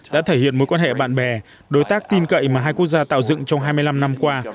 đã thể hiện mối quan hệ bạn bè đối tác tin cậy mà hai quốc gia tạo dựng trong hai mươi năm năm qua